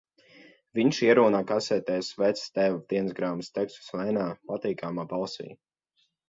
Viņš ierunā kasetēs vecātēva dienasgrāmatas tekstus lēnā, patīkamā balsī.